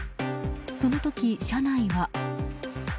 その時、車内は。